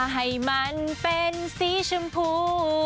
ให้มันเป็นสีชมพู